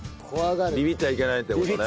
ビビっちゃいけないって事ね。